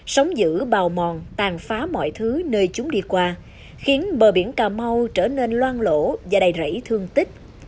sống giữ bào mòn tàn phá mọi thứ nơi chúng đi qua khiến bờ biển cà mau trở nên loan lộ và đầy rẫy thương tích